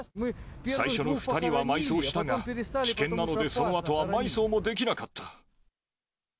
最初の２人は埋葬したが、危険なので、そのあとは埋葬もできなかった。